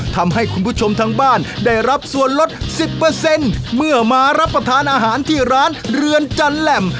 ทำให้คุณผู้ชมทั้งบ้านได้รับส่วนลดสิบเปอร์เซ็นต์เมื่อมารับประทานอาหารที่ร้านเรือนจันทร์แหลม